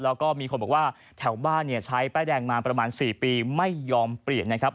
แล้วก็มีคนบอกว่าแถวบ้านเนี่ยใช้ป้ายแดงมาประมาณ๔ปีไม่ยอมเปลี่ยนนะครับ